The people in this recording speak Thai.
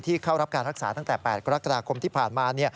เข้ารับการรักษาตั้งแต่๘กรกฎาคมที่ผ่านมา